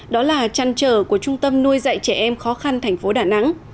đó là trăn trở của trung tâm nuôi dạy trẻ em khó khăn thành phố đà nẵng